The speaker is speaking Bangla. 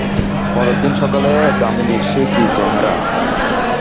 পরের দিন সকালে দামিনীর সে কী চেহারা!